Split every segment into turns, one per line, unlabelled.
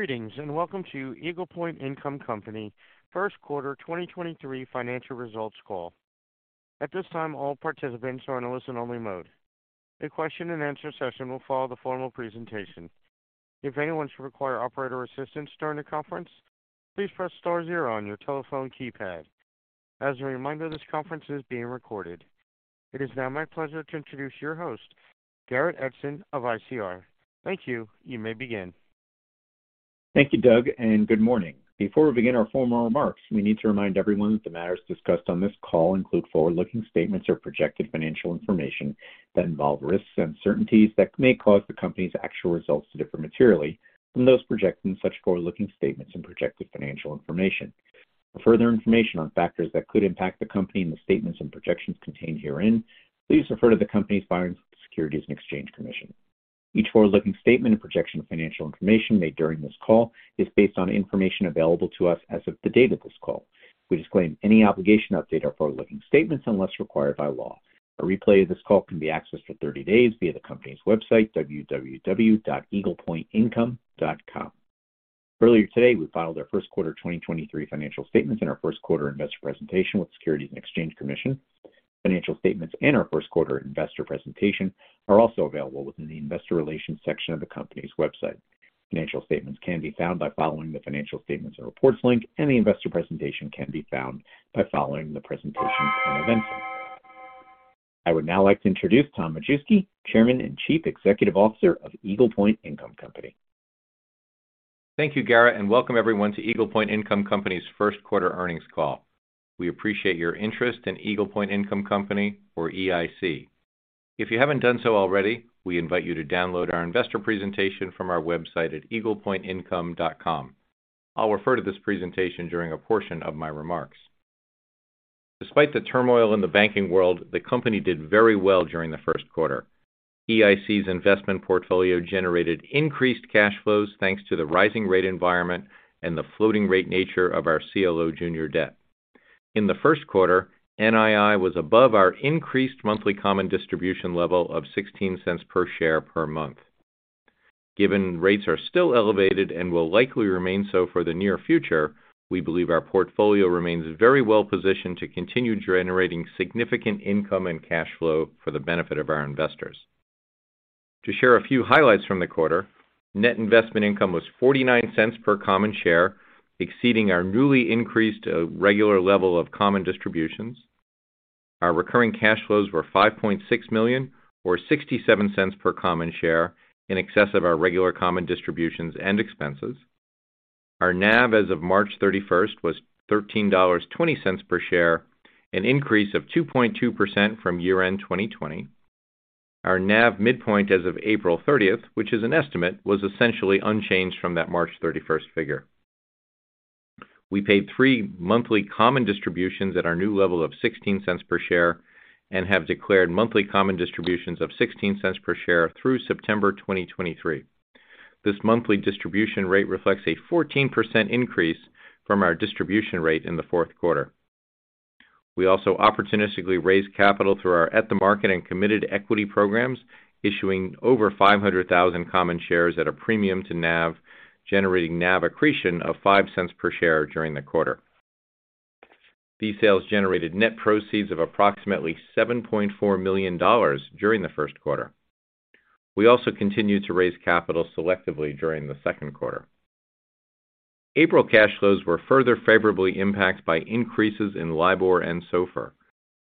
Greetings, welcome to Eagle Point Income Company First Quarter 2023 Financial Results Call. At this time, all participants are in a listen-only mode. A question-and-answer session will follow the formal presentation. If anyone should require operator assistance during the conference, please press star zero on your telephone keypad. As a reminder, this conference is being recorded. It is now my pleasure to introduce your host, Garrett Edson of ICR. Thank you. You may begin.
Thank you, Doug, good morning. Before we begin our formal remarks, we need to remind everyone that the matters discussed on this call include forward-looking statements or projected financial information that involve risks and uncertainties that may cause the company's actual results to differ materially from those projected in such forward-looking statements and projected financial information. For further information on factors that could impact the company and the statements and projections contained herein, please refer to the company's filings with the Securities and Exchange Commission. Each forward-looking statement and projection of financial information made during this call is based on information available to us as of the date of this call. We disclaim any obligation to update our forward-looking statements unless required by law. A replay of this call can be accessed for 30 days via the company's website, www.eaglepointincome.com. Earlier today, we filed our first quarter 2023 financial statements and our first quarter investor presentation with the Securities and Exchange Commission. Financial statements and our first quarter investor presentation are also available within the investor relations section of the company's website. Financial statements can be found by following the Financial Statements or Reports link, and the investor presentation can be found by following the Presentation and Events link. I would now like to introduce Tom Majewski, Chairman and Chief Executive Officer of Eagle Point Income Company.
Thank you, Garrett, and welcome everyone to Eagle Point Income Company's first quarter earnings call. We appreciate your interest in Eagle Point Income Company or EIC. If you haven't done so already, we invite you to download our investor presentation from our website at eaglepointincome.com. I'll refer to this presentation during a portion of my remarks. Despite the turmoil in the banking world, the company did very well during the first quarter. EIC's investment portfolio generated increased cash flows thanks to the rising rate environment and the floating rate nature of our CLO junior debt. In the first quarter, NII was above our increased monthly common distribution level of $0.16 per share per month. Given rates are still elevated and will likely remain so for the near future, we believe our portfolio remains very well positioned to continue generating significant income and cash flow for the benefit of our investors. To share a few highlights from the quarter, net investment income was $0.49 per common share, exceeding our newly increased, regular level of common distributions. Our recurring cash flows were $5.6 million or $0.67 per common share, in excess of our regular common distributions and expenses. Our NAV as of March 31st was $13.20 per share, an increase of 2.2% from year-end 2020. Our NAV midpoint as of April 30th, which is an estimate, was essentially unchanged from that March 31st figure. We paid 3 monthly common distributions at our new level of $0.16 per share and have declared monthly common distributions of $0.16 per share through September 2023. This monthly distribution rate reflects a 14% increase from our distribution rate in the fourth quarter. We also opportunistically raised capital through our at-the-market and committed equity programs, issuing over 500,000 common shares at a premium to NAV, generating NAV accretion of $0.05 per share during the quarter. These sales generated net proceeds of approximately $7.4 million during the first quarter. We also continued to raise capital selectively during the second quarter. April cash flows were further favorably impacted by increases in LIBOR and SOFR.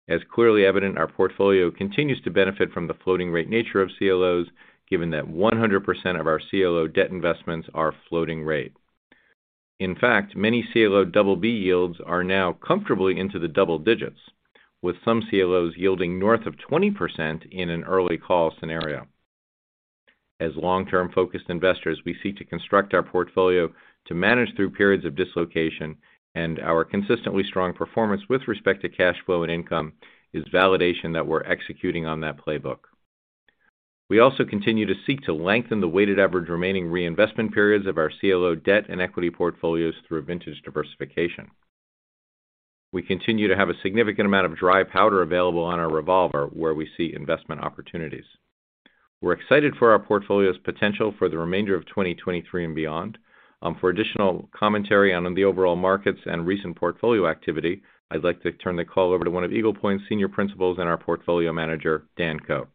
As clearly evident, our portfolio continues to benefit from the floating rate nature of CLOs, given that 100% of our CLO debt investments are floating rate. In fact, many CLO BB yields are now comfortably into the double digits, with some CLOs yielding north of 20% in an early call scenario. As long-term-focused investors, we seek to construct our portfolio to manage through periods of dislocation, and our consistently strong performance with respect to cash flow and income is validation that we're executing on that playbook. We also continue to seek to lengthen the weighted average remaining reinvestment periods of our CLO debt and equity portfolios through vintage diversification. We continue to have a significant amount of dry powder available on our revolver where we see investment opportunities. We're excited for our portfolio's potential for the remainder of 2023 and beyond. For additional commentary on the overall markets and recent portfolio activity, I'd like to turn the call over to one of Eagle Point's senior principals and our Portfolio Manager, Dan Ko.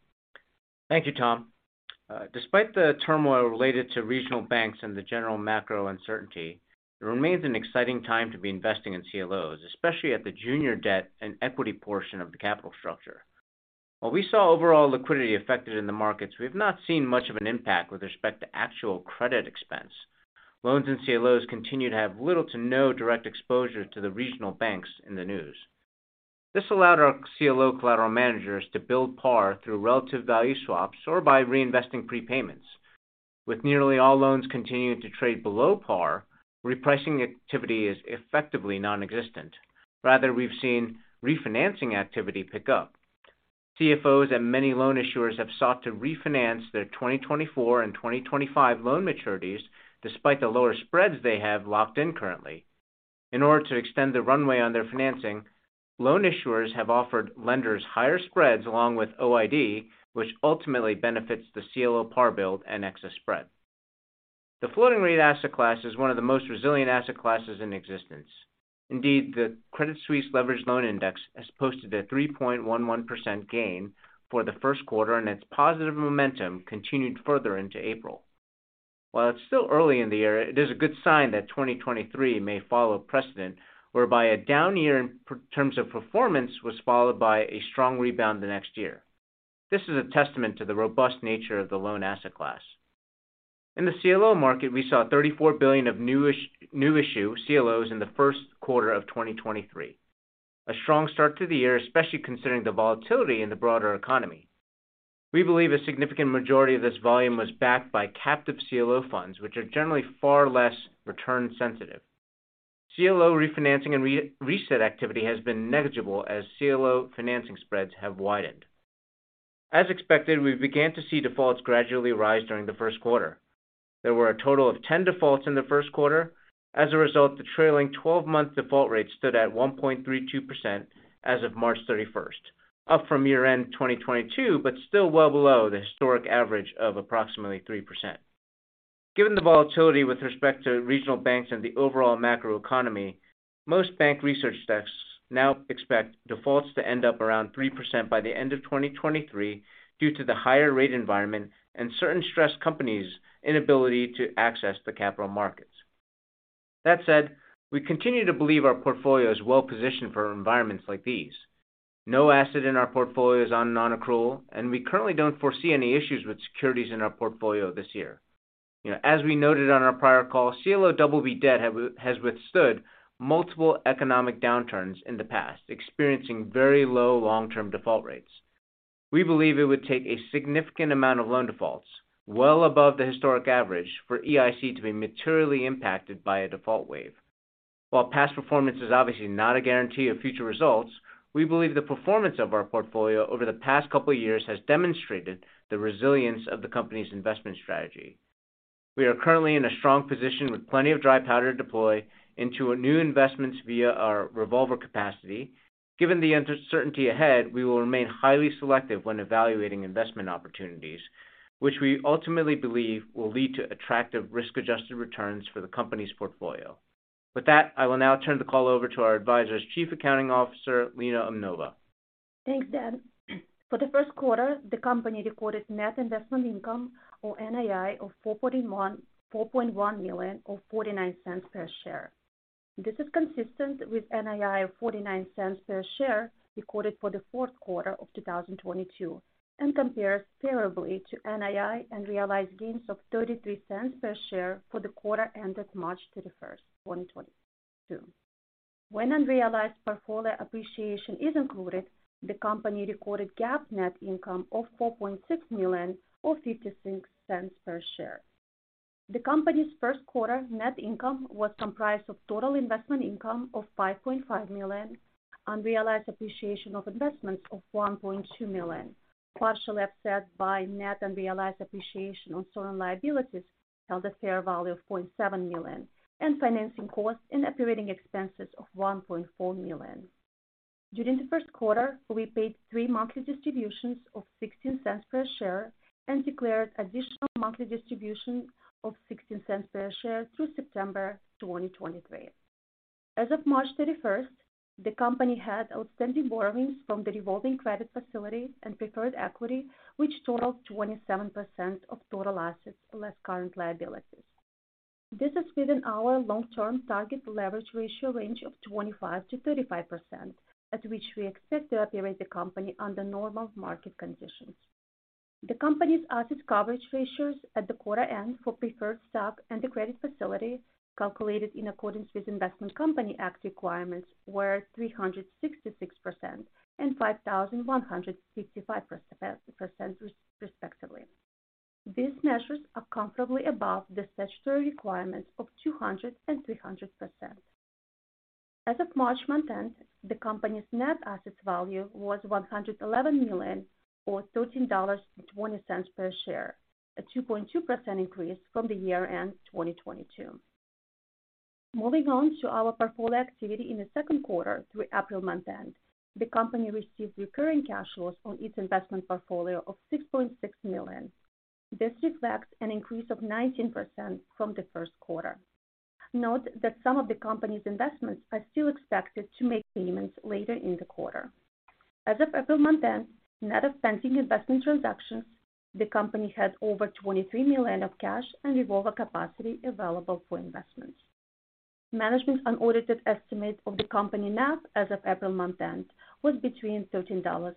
Thank you, Tom. Despite the turmoil related to regional banks and the general macro uncertainty, it remains an exciting time to be investing in CLOs, especially at the junior debt and equity portion of the capital structure. While we saw overall liquidity affected in the markets, we've not seen much of an impact with respect to actual credit expense. Loans and CLOs continue to have little to no direct exposure to the regional banks in the news. This allowed our CLO collateral managers to build par through relative value swaps or by reinvesting prepayments. With nearly all loans continuing to trade below par, repricing activity is effectively nonexistent. Rather, we've seen refinancing activity pick up. CFOs and many loan issuers have sought to refinance their 2024 and 2025 loan maturities despite the lower spreads they have locked in currently. In order to extend the runway on their financing, loan issuers have offered lenders higher spreads along with OID, which ultimately benefits the CLO par build and excess spread. The floating rate asset class is one of the most resilient asset classes in existence. Indeed, the Credit Suisse Leveraged Loan Index has posted a 3.11% gain for the first quarter, and its positive momentum continued further into April. While it's still early in the year, it is a good sign that 2023 may follow precedent whereby a down year in terms of performance was followed by a strong rebound the next year. This is a testament to the robust nature of the loan asset class. In the CLO market, we saw $34 billion of new issue CLOs in the first quarter of 2023, a strong start to the year, especially considering the volatility in the broader economy. We believe a significant majority of this volume was backed by captive CLO funds, which are generally far less return sensitive. CLO refinancing and re-reset activity has been negligible as CLO financing spreads have widened. As expected, we began to see defaults gradually rise during the first quarter. There were a total of 10 defaults in the first quarter. As a result, the trailing 12-month default rate stood at 1.32% as of March 31st, up from year-end 2022, but still well below the historic average of approximately 3%. Given the volatility with respect to regional banks and the overall macroeconomy, most bank research desks now expect defaults to end up around 3% by the end of 2023 due to the higher rate environment and certain stressed companies' inability to access the capital markets. That said, we continue to believe our portfolio is well positioned for environments like these. No asset in our portfolio is on non-accrual, and we currently don't foresee any issues with securities in our portfolio this year. You know, as we noted on our prior call, CLO BB debt has withstood multiple economic downturns in the past, experiencing very low long-term default rates. We believe it would take a significant amount of loan defaults well above the historic average for EIC to be materially impacted by a default wave. While past performance is obviously not a guarantee of future results, we believe the performance of our portfolio over the past couple years has demonstrated the resilience of the company's investment strategy. We are currently in a strong position with plenty of dry powder to deploy into new investments via our revolver capacity. Given the uncertainty ahead, we will remain highly selective when evaluating investment opportunities, which we ultimately believe will lead to attractive risk-adjusted returns for the company's portfolio. With that, I will now turn the call over to our Advisor's Chief Accounting Officer, Lena Umnova.
Thanks, Dan. For the first quarter, the company recorded net investment income or NII of $4.1 million or $0.49 per share. This is consistent with NII of $0.49 per share recorded for the fourth quarter of 2022, compares favorably to NII and realized gains of $0.33 per share for the quarter ended March 31, 2022. When unrealized portfolio appreciation is included, the company recorded GAAP net income of $4.6 million or $0.56 per share. The company's first quarter net income was comprised of total investment income of $5.5 million, unrealized appreciation of investments of $1.2 million, partially offset by net unrealized appreciation on certain liabilities held at fair value of $0.7 million, and financing costs and operating expenses of $1.4 million. During the first quarter, we paid 3 monthly distributions of $0.16 per share and declared additional monthly distribution of $0.16 per share through September 2023. As of March 31st, the company had outstanding borrowings from the revolving credit facility and preferred equity, which totaled 27% of total assets less current liabilities. This is within our long-term target leverage ratio range of 25%-35%, at which we expect to operate the company under normal market conditions. The company's asset coverage ratios at the quarter end for preferred stock and the credit facility, calculated in accordance with Investment Company Act requirements, were 366% and 5,165%, respectively. These measures are comfortably above the statutory requirements of 200% and 300%. As of March month-end, the company's net assets value was $111 million or $13.20 per share, a 2.2% increase from the year-end 2022. Moving on to our portfolio activity in the second quarter through April month-end. The company received recurring cash flows on its investment portfolio of $6.6 million. This reflects an increase of 19% from the first quarter. Note that some of the company's investments are still expected to make payments later in the quarter. As of April month-end, net of pending investment transactions, the company has over $23 million of cash and revolver capacity available for investments. Management's unaudited estimate of the company NAV as of April month-end was between $13.11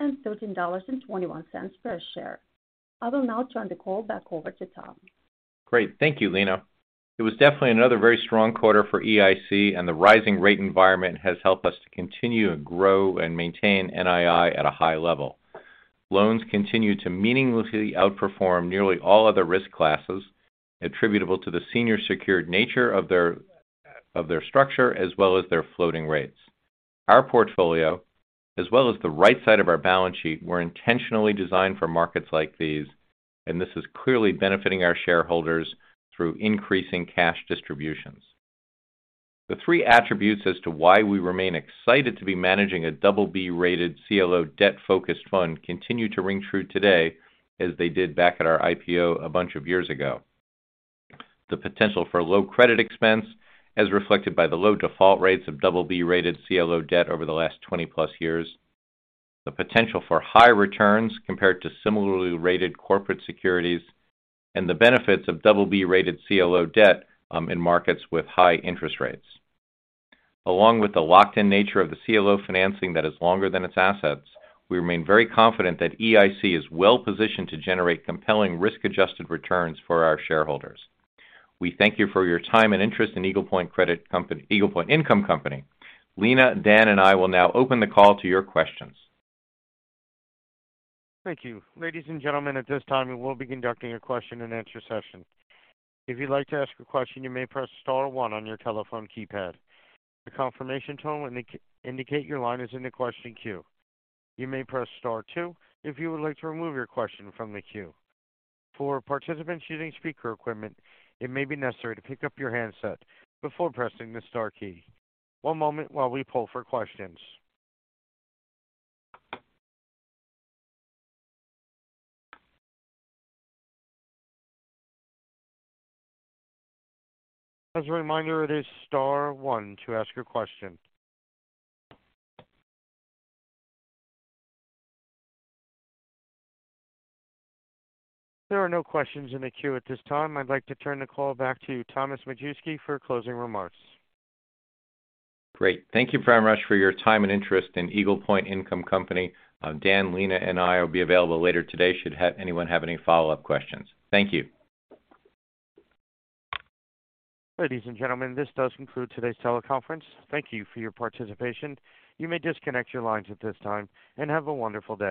and $13.21 per share. I will now turn the call back over to Tom.
Great. Thank you, Lena. It was definitely another very strong quarter for EIC. The rising rate environment has helped us to continue to grow and maintain NII at a high level. Loans continue to meaningfully outperform nearly all other risk classes attributable to the senior secured nature of their structure as well as their floating rates. Our portfolio, as well as the right side of our balance sheet, were intentionally designed for markets like these, and this is clearly benefiting our shareholders through increasing cash distributions. The three attributes as to why we remain excited to be managing a BB-rated CLO debt focused fund continue to ring true today, as they did back at our IPO a bunch of years ago. The potential for low credit expense as reflected by the low default rates of BB-rated CLO debt over the last 20+ years. The potential for high returns compared to similarly rated corporate securities and the benefits of BB-rated CLO debt in markets with high interest rates. Along with the locked in nature of the CLO financing that is longer than its assets, we remain very confident that EIC is well positioned to generate compelling risk-adjusted returns for our shareholders. We thank you for your time and interest in Eagle Point Income Company. Lena, Dan, and I will now open the call to your questions.
Thank you. Ladies and gentlemen, at this time, we will be conducting a question and answer session. If you'd like to ask a question, you may press star one on your telephone keypad. The confirmation tone will indicate your line is in the question queue. You may press star two if you would like to remove your question from the queue. For participants using speaker equipment, it may be necessary to pick up your handset before pressing the star key. One moment while we pull for questions. As a reminder, it is star one to ask a question. There are no questions in the queue at this time. I'd like to turn the call back to Thomas Majewski for closing remarks.
Great. Thank you, Pramrush, for your time and interest in Eagle Point Income Company. Dan, Lena, and I will be available later today should anyone have any follow-up questions. Thank you.
Ladies and gentlemen, this does conclude today's teleconference. Thank you for your participation. You may disconnect your lines at this time, and have a wonderful day.